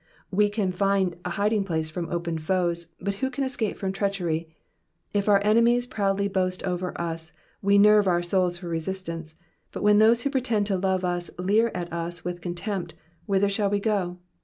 '''' We can find a hiding place from open foes, but who can escape from treachery ? If our enemies proudly boast over us we nerve our souls for resistance, but when those who pretended to love us leer at us with contempt, whither shall we go